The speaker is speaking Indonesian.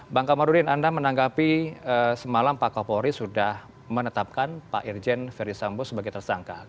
bang kamarudin anda menanggapi semalam pak kapolri sudah menetapkan pak irjen ferdisambo sebagai tersangka